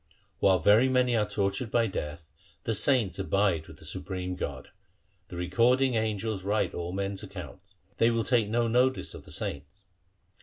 While very many are tortured by Death, The saints abide with the Supreme God. The recording angels write all men's accounts : They will take no notice of the saints.